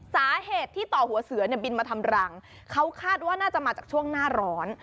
สาเหตุที่ต่อหัวเสือเนี่ยบินมาทำรังเขาคาดว่าน่าจะมาจากช่วงหน้าร้อน